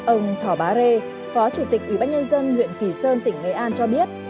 ông thỏ bá rê phó chủ tịch ủy ban nhân dân huyện kỳ sơn tỉnh nghệ an cho biết